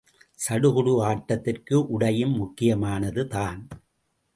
சடுகுடு ஆட்டத்திற்கு உடையும் முக்கியமானது தான்.